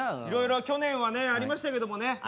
いろいろ去年はねありましたけれどもね